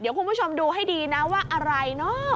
เดี๋ยวคุณผู้ชมดูให้ดีนะว่าอะไรเนอะ